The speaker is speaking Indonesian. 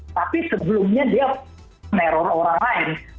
tapi sebelumnya dia meneror orang lain